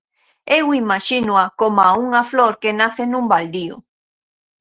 Eu imaxínoa coma unha flor que nace nun baldío.